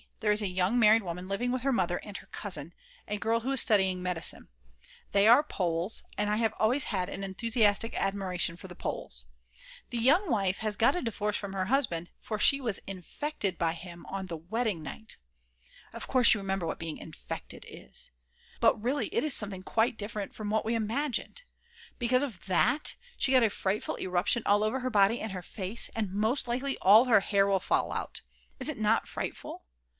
there is a young married woman living with her mother and her cousin, a girl who is studying medicine; they are Poles and I have always had an enthusiastic admiration for the Poles. The young wife has got a divorce from her husband, for she was infected by him on the wedding night. Of course you remember what being infected is. But really it is something quite different from what we imagined. Because of that she got a frightful eruption all over her body and her face, and most likely all her hair will fall out; is it not frightful?